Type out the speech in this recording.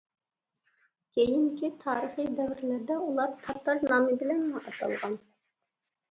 كېيىنكى تارىخىي دەۋرلەردە ئۇلار «تاتار» نامى بىلەنلا ئاتالغان.